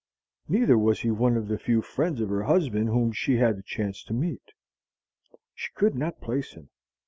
Neither was he one of the few friends of her husband whom she had had a chance to meet. She could not place him.